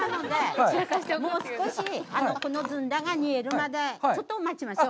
もう少しこのずんだが煮えるまでちょっと待ちましょう。